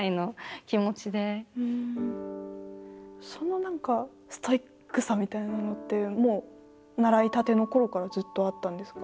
その何かストイックさみたいなのってもう習いたてのころからずっとあったんですか？